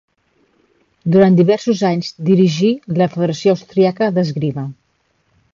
Durant diversos anys dirigí la Federació Austríaca d'Esgrima.